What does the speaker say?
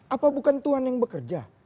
apa bukan tuhan yang bekerja